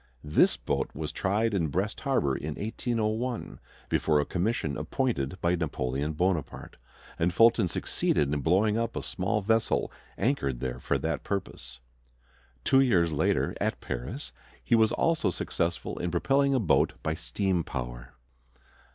This boat was tried in Brest Harbor in 1801, before a commission appointed by Napoleon Bonaparte, and Fulton succeeded in blowing up a small vessel anchored there for that purpose. Two years later, at Paris, he was also successful in propelling a boat by steam power.